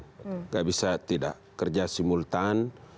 tidak bisa tidak kerja simultan